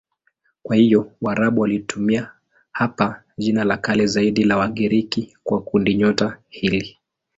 Kwa hiyo Waarabu walitumia hapa jina la kale zaidi la Wagiriki kwa kundinyota hili.